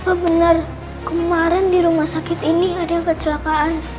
oh benar kemarin di rumah sakit ini ada kecelakaan